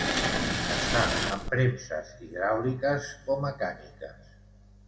Es fa en premses hidràuliques o mecàniques.